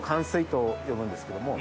と呼ぶんですけども。